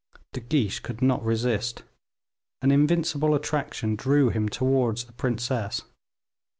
De Guiche could not resist; an invincible attraction drew him towards the princess.